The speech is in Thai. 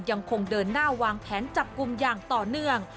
ยังคงเดินหน้าวางแผนจับกลุ่มอย่างต่อเนื่อง